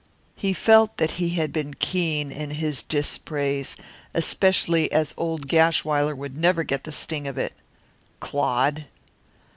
He felt that he had been keen in his dispraise, especially as old Gashwiler would never get the sting of it. Clod!